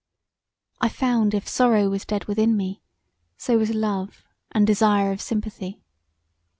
I found if sorrow was dead within me, so was love and desire of sympathy.